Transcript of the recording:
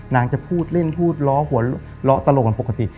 นางจะพูดเล่นพูดล้อหัวล้อตลกกันปกติ